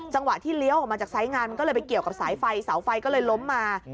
จังหวะที่เลี้ยวออกมาจากสายงานมันก็เลยไปเกี่ยวกับสายไฟเสาไฟก็เลยล้มมา